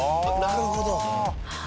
なるほど。